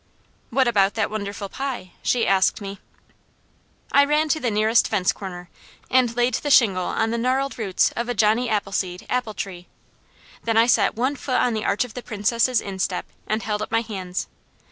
"What about that wonderful pie?" she asked me. I ran to the nearest fence corner, and laid the shingle on the gnarled roots of a Johnny Appleseed apple tree. Then I set one foot on the arch of the Princess' instep and held up my hands.